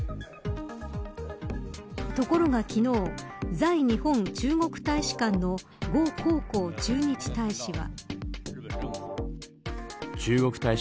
ところが昨日在日本中国大使館の呉江浩駐日大使は。